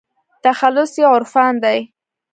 تخلص يې عرفان دى.